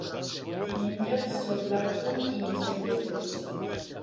Menja zooplàncton i insectes petits.